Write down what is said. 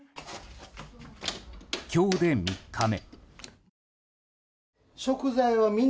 今日で３日目。